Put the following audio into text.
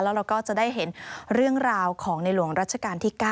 แล้วเราก็จะได้เห็นเรื่องราวของในหลวงรัชกาลที่๙